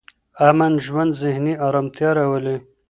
امن ژوند ذهني ارامتیا راولي.